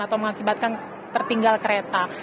atau mengakibatkan tertinggal kereta